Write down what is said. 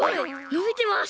のびてます！